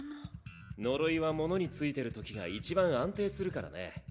呪いは物に憑いてるときがいちばん安定するからね。